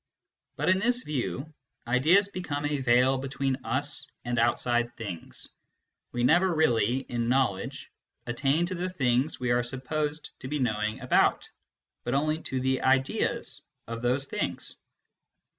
But in this view ideas become a veil between us and outside things we never really, in knowledge, attain to the things^w,e are supposed to be knowing about, but only to thq(ideasx)f those things.